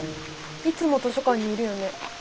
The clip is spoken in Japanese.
いつも図書館にいるよね。